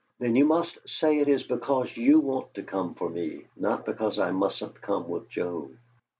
"Then you must say it is because you want to come for me, not because I mustn't come with Joe."